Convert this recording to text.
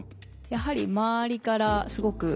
やはり周りからすごく。